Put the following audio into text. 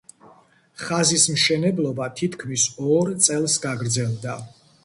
ხაზის მშენებლობა თითქმის ორ წელს გაგრძელდა.